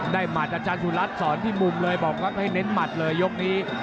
หมัดอาจารย์สุรัตน์สอนที่มุมเลยบอกครับให้เน้นหมัดเลยยกนี้